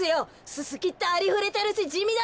ススキってありふれてるしじみだし。